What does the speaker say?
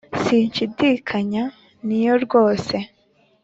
Sinshidikanya ni yo rwose,